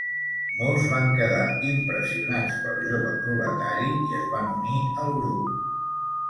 Molts van quedar impressionats pel jove proletari i es van unir al grup.